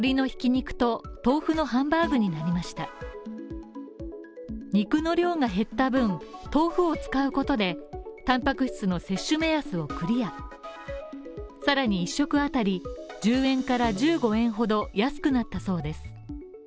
肉の量が減った分、豆腐を使うことで、タンパク質の摂取目安をクリアさらに一食あたり１０円から１５円ほど安くなったそうです。